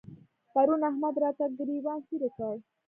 پرون احمد راته ګرېوان څيرې کړ.